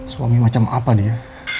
suami macam apa dia